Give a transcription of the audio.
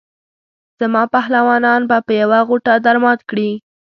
زما پهلوانان به په یوه غوټه درمات کړي.